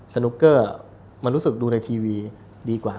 สนุกเกอร์มันรู้สึกดูในทีวีดีกว่า